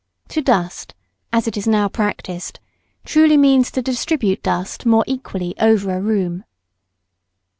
To dust, as it is now practised, truly means to distribute dust more equally over a room.